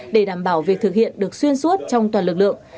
để đảm bảo việc thực hiện được xuyên suốt trong toàn lực lượng